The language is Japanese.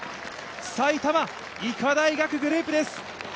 埼玉医科大学グループです。